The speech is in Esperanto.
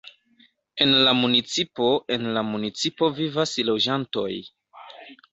En la municipo En la municipo vivas loĝantoj.